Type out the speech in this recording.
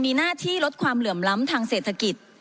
มีหน้าที่ลดความเหลื่อมล้ำทางเศรษฐกิจ